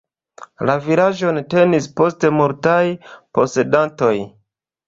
La vilaĝon tenis poste multaj posedantoj.